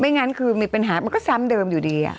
งั้นคือมีปัญหามันก็ซ้ำเดิมอยู่ดี